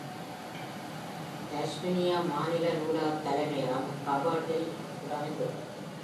Tasmania மாநில நூலகத் தலைமையகம் Hobart இல் அமைந்துள்ளது.